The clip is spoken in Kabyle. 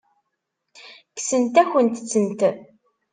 Kksent-akent-tent.